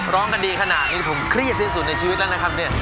ร้องกันดีขนาดนี้ผมเครียดที่สุดในชีวิตแล้วนะครับเนี่ย